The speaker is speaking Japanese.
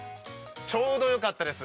ちょうどよかったです。